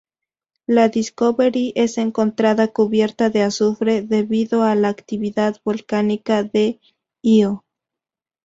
La "Discovery" es encontrada cubierta de azufre debido a la actividad volcánica de Ío.